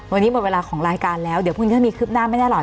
วันนี้หมดเวลาของรายการแล้วเดี๋ยวพรุ่งนี้ถ้ามีคืบหน้าไม่แน่หรอก